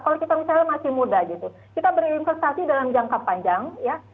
kalau kita misalnya masih muda gitu kita berinvestasi dalam jangka panjang ya